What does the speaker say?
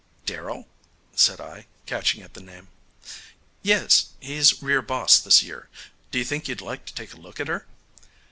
"Darrell?" said I, catching at the name. "Yes. He's rear boss this year. Do you think you'd like to take a look at her?"